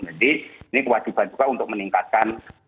jadi ini kewajiban juga untuk meningkatkan